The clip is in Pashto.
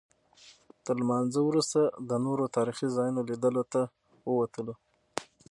تر لمانځه وروسته د نورو تاریخي ځایونو لیدلو ته ووتلو.